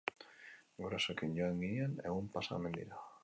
Gurasoekin joan ginen egun pasa mendira.